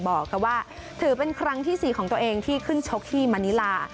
บอกว่าถือเป็นครั้งที่๔ของตัวเองที่ขึ้นชกที่มานิลา